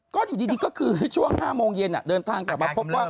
ก็อยู่ดีก็คือช่วง๕โมงเย็นเดินทางกลับมาพบว่า